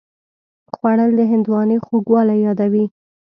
خوړل د هندوانې خوږوالی یادوي